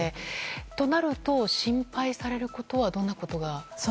となると、心配されることはどんなことが？